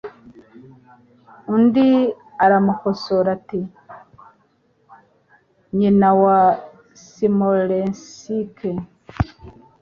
Undi aramukosora ati: "Nyina wa Smolensk".